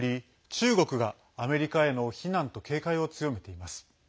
中国がアメリカへの非難と警戒を強めています。